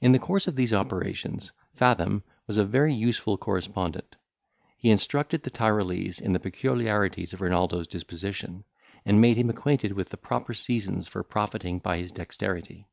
In the course of these operations, Fathom was a very useful correspondent. He instructed the Tyrolese in the peculiarities of Renaldo's disposition, and made him acquainted with the proper seasons for profiting by his dexterity.